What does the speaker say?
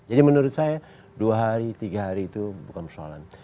jadi menurut saya dua hari tiga hari itu bukan persoalan